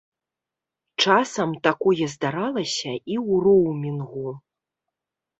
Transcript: Часам такое здаралася і ў роўмінгу.